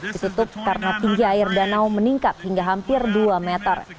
ditutup karena tinggi air danau meningkat hingga hampir dua meter